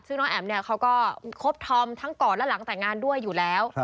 ซึ่งน้องแอ๋มเนี่ยเขาก็คบทอมทั้งก่อนและหลังแต่งงานด้วยอยู่แล้ว